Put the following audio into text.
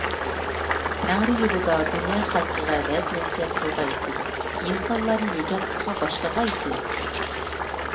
تەڭرى يولىدا دۇنيا خەلقىگە ۋەز - نەسىھەت قىلغايسىز، ئىنسانلارنى نىجاتلىققا باشلىغايسىز.